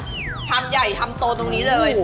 ต่อภาพใหญ่ธรรมโตตรงนี้เลย